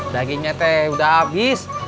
dagingnya teh udah abis